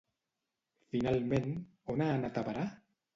Finalment, on ha anat a parar?